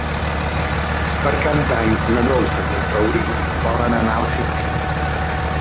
Per Cap d'Any na Dolça i en Rauric volen anar al cinema.